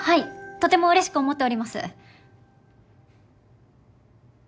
とてもうれしく思っております。